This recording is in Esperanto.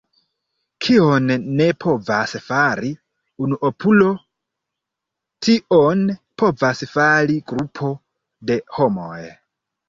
Kion ne povas fari unuopulo, tion povas fari grupo de homoj.